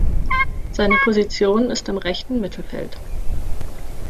Seine Position ist im rechten Mittelfeld.